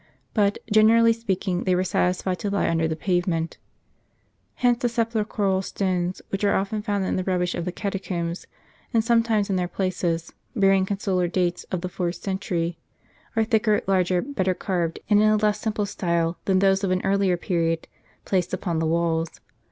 But, generally speaking, they were satisfied to lie under the pavement. Hence the sepulchral stones which are often found in the rubbish of the catacombs, and some times in their places, bearing consular dates of the fourth century, are thicker, larger, better carved, and in a less simple style, than those of an earlier period, placed upon the walls.